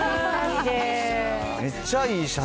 めっちゃいい写真。